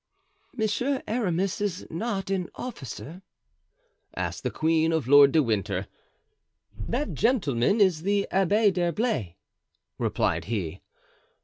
"Monsieur Aramis is not an officer?" asked the queen of Lord de Winter. "That gentleman is the Abbé d'Herblay," replied he.